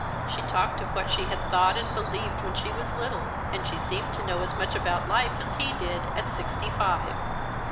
She talked of what she had thought and believed when she was little ; and she seemed to know as much about life as he did, at sixty five.